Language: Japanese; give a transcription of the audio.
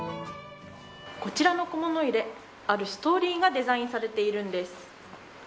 こちらの小物入れあるストーリーがデザインされているんです。